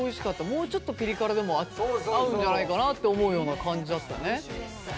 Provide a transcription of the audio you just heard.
もうちょっとピリ辛でも合うんじゃないかなって思うような感じだったね。